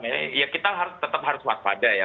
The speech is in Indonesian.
ya kita tetap harus waspada ya